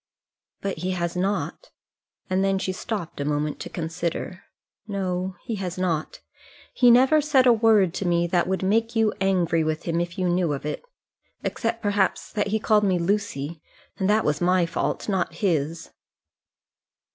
"But he has not." And then she stopped a moment to consider. "No, he has not. He never said a word to me that would make you angry with him if you knew of it. Except, perhaps, that he called me Lucy; and that was my fault, not his."